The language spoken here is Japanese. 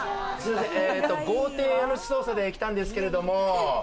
豪邸家主捜査で来たんですけれども。